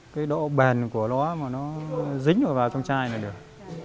cái độ bền của nó mà nó dính vào trong chai này được